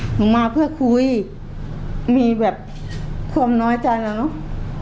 หนูมาเพื่อคุยมีแบบความน้อยใจแล้วเนอะ